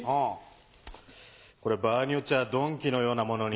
これ場合によっちゃ鈍器のようなものに。